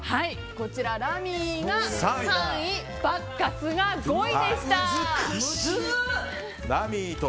こちら、ラミーが３位バッカスが５位でした。